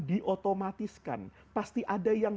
diotomatiskan pasti ada yang